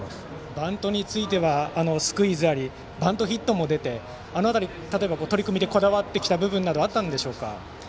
バントについてはスクイズやバントヒットも出てあの辺り取り組んでこられたこだわりはあったんでしょうか。